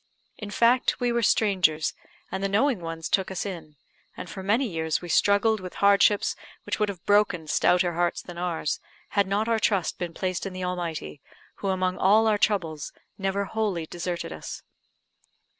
In fact we were strangers, and the knowing ones took us in; and for many years we struggled with hardships which would have broken stouter hearts than ours, had not our trust been placed in the Almighty, who among all our troubles never wholly deserted us.